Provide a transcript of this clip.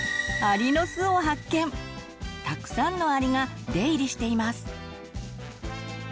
たくさんのアリが出入りしています。